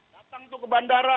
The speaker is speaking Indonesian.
datang itu ke bandara